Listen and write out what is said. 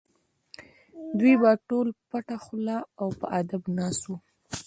دوی به ټول پټه خوله او په ادب ناست وو.